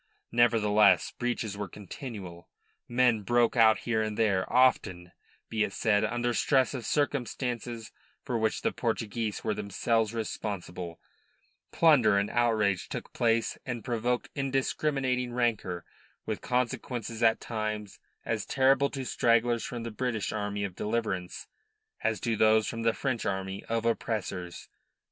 Nevertheless breaches were continual; men broke out here and there, often, be it said, under stress of circumstances for which the Portuguese were themselves responsible; plunder and outrage took place and provoked indiscriminating rancour with consequences at times as terrible to stragglers from the British army of deliverance as to those from the French army of oppressors.